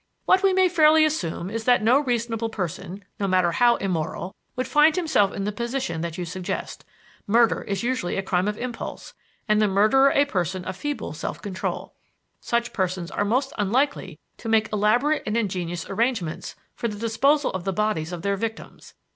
What we may fairly assume is that no reasonable person, no matter how immoral, would find himself in the position that you suggest. Murder is usually a crime of impulse, and the murderer a person of feeble self control. Such persons are most unlikely to make elaborate and ingenious arrangements for the disposal of the bodies of their victims.